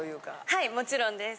はいもちろんです。